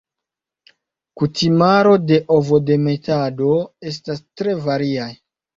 Kutimaro de ovodemetado estas tre variaj.